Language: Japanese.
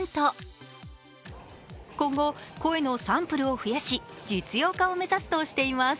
今後、声のサンプルを増やし実用化を目指すとしています。